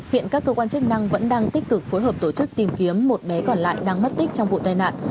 hiện các cơ quan chức năng vẫn đang tích cực phối hợp tổ chức tìm kiếm một bé còn lại đang mất tích trong vụ tai nạn